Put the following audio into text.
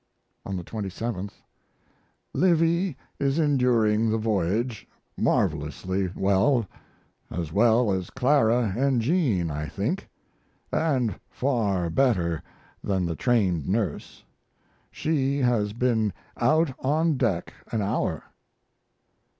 On the 27th: Livy is enduring the voyage marvelously well. As well as Clara & Jean, I think, & far better than the trained nurse. She has been out on deck an hour.